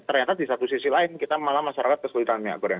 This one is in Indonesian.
ternyata di satu sisi lain kita malah masyarakat kesulitan minyak goreng